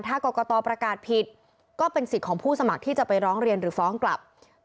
ถ้ากรกตประกาศผิดก็เป็นสิทธิ์ของผู้สมัครที่จะไปร้องเรียนหรือฟ้องกลับ